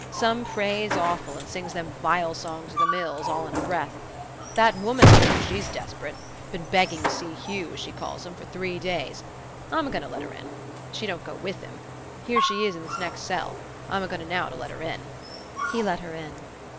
Some prays awful, and sings them vile songs of the mills, all in a breath. That woman, now, she's desper't'. Been beggin' to see Hugh, as she calls him, for three days. I'm a goin' to let her in. She don't go with him. Here she is in this next cell. I'm a goin' now to let her in." He let her in.